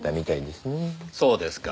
そうですか。